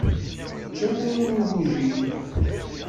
Yečča amur n igujilen.